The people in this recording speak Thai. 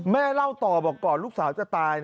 เล่าต่อบอกก่อนลูกสาวจะตาย